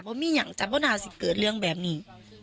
เพราะมีอย่างจำนาสิทธิ์เกิดเรื่องแบบนี้